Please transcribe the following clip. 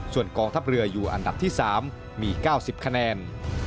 ส่วนกองทัพเรืออยู่อันดับที่๓มี๙๐คะแนน